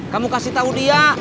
kamu kasih tau dia